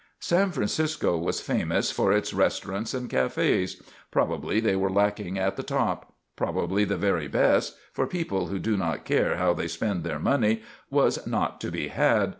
San Francisco was famous for its restaurants and cafes. Probably they were lacking at the top; probably the very best, for people who do not care how they spend their money, was not to be had.